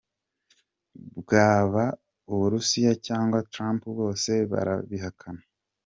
Bwaba Uburusiya canke Trump, bose barabihakana.